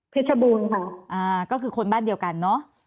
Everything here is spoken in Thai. ชบูรณ์ค่ะอ่าก็คือคนบ้านเดียวกันเนอะ